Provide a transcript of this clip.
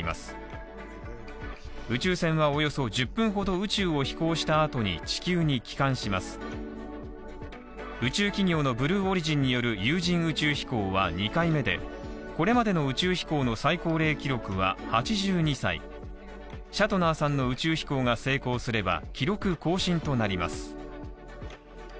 宇宙企業の「ブルーオリジン」による有人宇宙飛行は２回目で、これまでの宇宙飛行の最高齢記録は８２歳でシャトナーさんの宇宙飛行が成功すれば、記録更新となります。